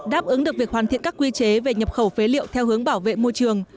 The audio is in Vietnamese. đáp ứng được việc hoàn thiện các quy chế về nhập khẩu phế liệu theo hướng bảo vệ môi trường